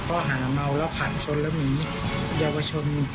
เพราะหานเมาแล้วผ่านชนและมีเยาวชน